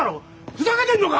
ふざけてんのか！？